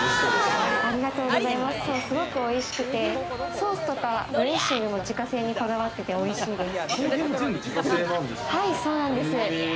ソースとかドレッシングも、自家製にこだわってておいしいです。